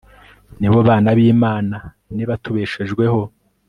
nibo bana b'imana, niba tubeshejweho